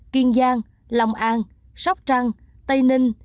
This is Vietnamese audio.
kiên giang lòng an sóc trăng tây ninh